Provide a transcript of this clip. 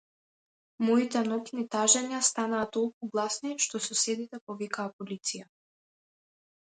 Моите ноќни тажења станаа толку гласни што соседите повикаа полиција.